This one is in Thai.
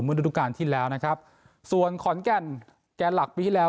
เมื่อโดยทุกการที่แล้วนะครับส่วนขอนแกนแกนหลักปีที่แล้ว